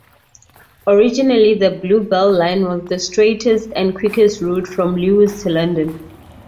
Originally the Bluebell Line was the straightest and quickest route from Lewes to London.